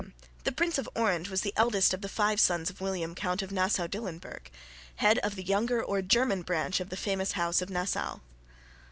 The Prince of Orange was the eldest of the five sons of William, Count of Nassau Dillenburg, head of the younger or German branch of the famous house of Nassau.